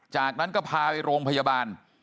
จากนั้นก็พาไปโรงพยาบาล